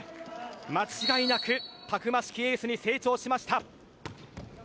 間違いなくたくましいエースに成長しました。